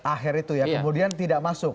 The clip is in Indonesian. akhir itu ya kemudian tidak masuk